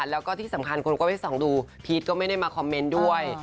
แล้วก็ที่สำคัญคนก็ไปส่องดูพีชก็ไม่ได้มาคอมเมนต์ด้วย